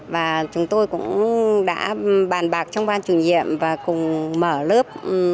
và chúng tôi cũng đã bàn bạc trong ban chủ nhiệm và cùng mở lớp